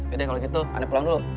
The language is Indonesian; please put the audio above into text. yaudah kalau gitu anda pulang dulu